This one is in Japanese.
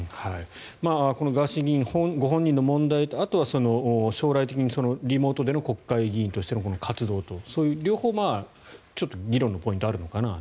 このガーシー議員ご本人の問題とあとは将来的にリモートでの国会議員としての活動とそういう両方議論のポイントがあるのかなと。